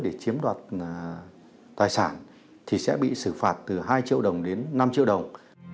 để chiếm đoạt tài sản thì sẽ bị xử phạt từ hai triệu đồng đến năm triệu đồng